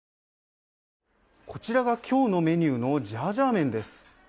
こちらが今日のメニューのジャージャー麺です。